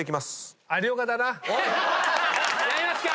やりますか！